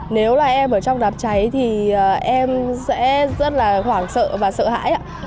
nếu là em ở trong đám cháy thì em sẽ rất là hoảng sợ và sợ hãi ạ